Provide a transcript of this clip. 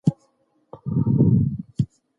ټولنه د پرمختګ هیله لرلې ده.